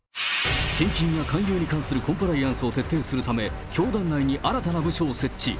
献金やのコンプライアンスを徹底するため、教団内に新たな部署を設置。